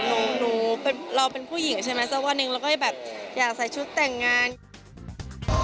เจ้าวันหนึ่งเราก็จะแบบอยากใส่ชุดแต่งงาน